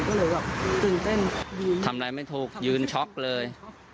รู้สึกทำไรไม่ถูกยืนช็อกเลย